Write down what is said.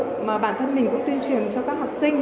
tất nhiên là bản thân mình cũng tuyên truyền cho các học sinh